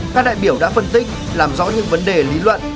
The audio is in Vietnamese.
các đại biểu đã phân tích làm rõ những vấn đề lý luận